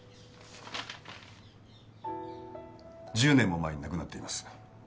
１０年も前に亡くなっています。